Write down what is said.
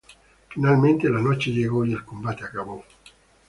Finalmente, la noche llegó y el combate acabó.